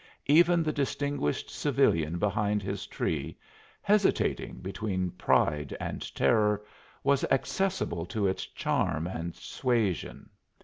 Even the distinguished civilian behind his tree, hesitating between pride and terror, was accessible to its charm and suasion.